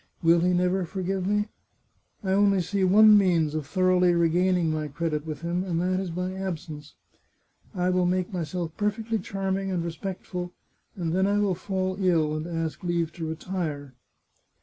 Will he never forgive me ? I only see one means of thoroughly regaining my credit with him, and that is by absence. I will make myself perfectly charming and respectful, and then I will fall ill, and ask leave to retire.